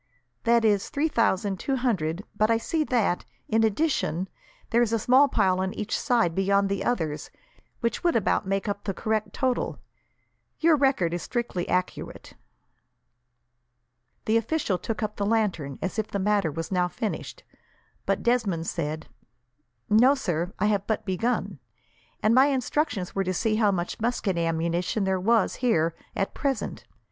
"That is three thousand two hundred, but I see that, in addition, there is a small pile on each side, beyond the others, which would about make up the correct total. Your record is strictly accurate." The official took up the lantern, as if the matter was now finished, but Desmond said: "No, sir. I have but begun; and my instructions were to see how much musket ammunition there was here, at present.